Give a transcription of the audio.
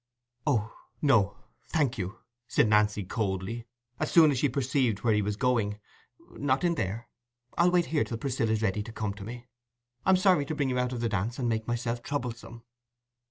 "Oh no, thank you," said Nancy, coldly, as soon as she perceived where he was going, "not in there. I'll wait here till Priscilla's ready to come to me. I'm sorry to bring you out of the dance and make myself troublesome."